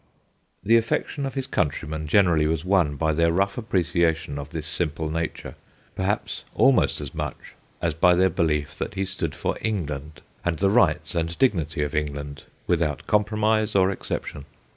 The affection of his countrymen gener ally was won by their rough appreciation of this simple nature perhaps almost as much as by their belief that he stood for England, and the rights and dignity of England, without compromise or exception.